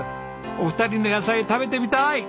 お二人の野菜食べてみたい！